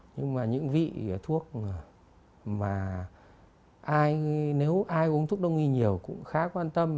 nhưng mà những vị thuốc mà ai nếu ai uống thuốc đông y nhiều cũng khá quan tâm